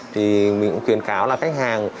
thì mình cũng khuyến cáo là khách hàng